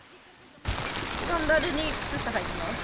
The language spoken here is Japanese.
サンダルに靴下はいてます。